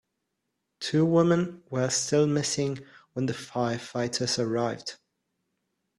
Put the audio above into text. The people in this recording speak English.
Two women were still missing when the firefighters arrived.